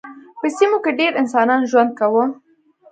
په سیمو کې ډېر انسانان ژوند کاوه.